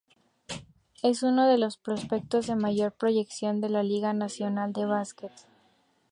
Es uno de los prospectos de mayor proyección de la Liga Nacional de Básquet.